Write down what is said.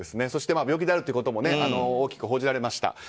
そして病気であるということも大きく報じられました。